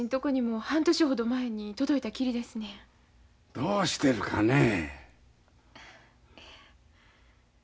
どうしてるかねえ。